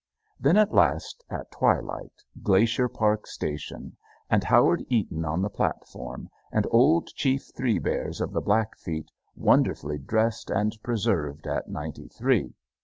Then, at last, at twilight, Glacier Park Station, and Howard Eaton on the platform, and old Chief Three Bears, of the Blackfeet, wonderfully dressed and preserved at ninety three.